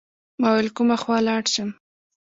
ما ویل کومه خوا لاړ شم.